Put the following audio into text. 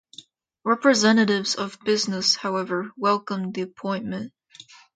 Representatives of business, however, welcomed the appointment.